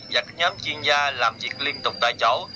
và các nhóm chuyên gia làm việc liên tục tại cháu